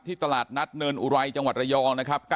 ตลาดนัดเนินอุไรจังหวัดระยองนะครับ